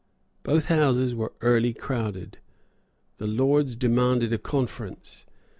Both Houses were early crowded. The Lords demanded a conference.